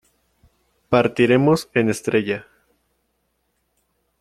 partiremos en estrella .